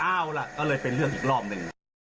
เอาล่ะก็เลยเป็นเรื่องอีกรอบหนึ่ง